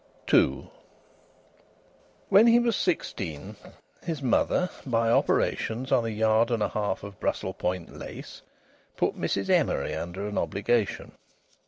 II When he was sixteen his mother, by operations on a yard and a half of Brussels point lace, put Mrs Emery under an obligation.